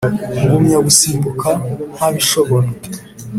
Ngumya gusimbuka ntabishobora